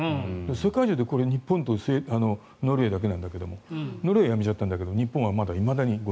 世界中でこれ日本とノルウェーだけなんだけどノルウェーはやめちゃったんだけど日本はいまだに。